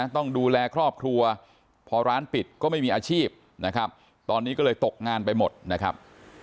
ต้องดูแลครอบครัวพอร้านปิดก็ไม่มีอาชีพนะครับตอนนี้ก็เลยตกงานไปหมดนะครับ